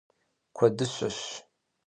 Куэдыщэщ!